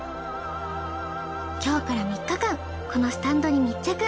今日から３日間このスタンドに密着。